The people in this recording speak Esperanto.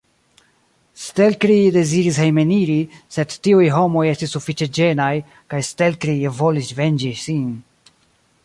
Stelkri deziris hejmeniri, sed tiuj homoj estis sufiĉe ĝenaj kaj Stelkri volis venĝi sin.